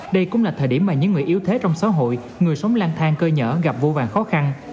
đây cũng là thời điểm mà những người yếu thế trong xã hội người sống lang thang cơ nhở gặp vô vàn khó khăn